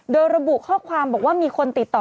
โดยระบุข้อความบอกว่ามีคนติดต่อ